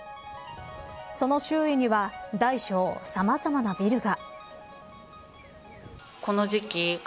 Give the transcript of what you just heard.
その周囲には大小さまざまなビルが。